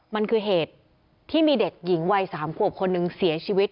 มันคือเหตุที่มีเด็กหญิงวัย๓ขวบคนหนึ่งเสียชีวิต